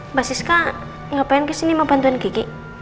mbak siska ngapain kesini mau bantuan gigi